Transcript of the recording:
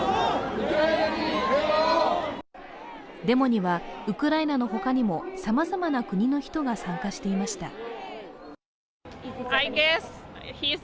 デモにはウクライナの他にもさまざまな国の人が参加していました。